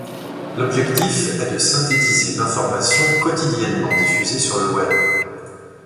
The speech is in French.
L'objectif est de synthétiser l'information quotidiennement diffusée sur le Web.